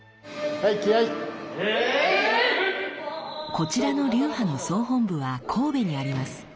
こちらの流派の総本部は神戸にあります。